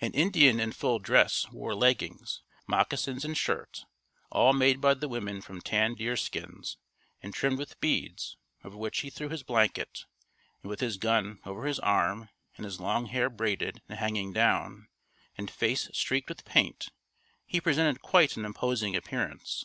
An Indian in full dress wore leggings, moccasins and shirt, all made by the women from tanned deer skins, and trimmed with beads, over which he threw his blanket, and with his gun over his arm and his long hair braided and hanging down, and face streaked with paint, he presented quite an imposing appearance.